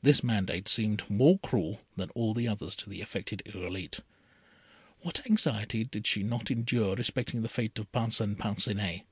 This mandate seemed more cruel than all the others to the afflicted Irolite. What anxiety did she not endure respecting the fate of Parcin Parcinet.